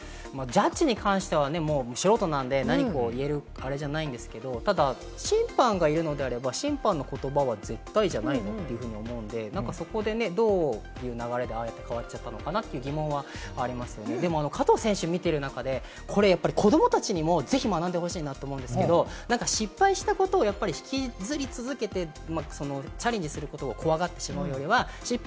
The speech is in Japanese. ジャッジに関しては素人なんで、何も言えるあれではないですけれども、審判がいるのであれば、審判の言葉は絶対じゃないの？って思うので、そこでどういう流れでああやって変わっちゃったのかな？という疑問はありますけれども、加藤選手を見ている中で、これ、子どもたちにもぜひ学んでほしいなと思うんですけれど、失敗したことを引きずり続けて、チャレンジすることを怖がってしまうのは。